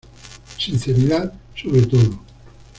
Sinceridad, sobre todo.